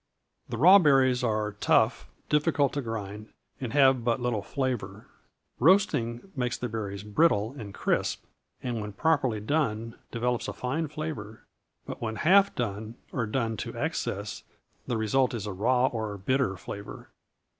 The raw berries are tough, difficult to grind, and have but little flavor. Roasting makes the berries brittle and crisp, and when properly done develops a fine flavor; but when half done or done to excess, the result is a raw or bitter flavor.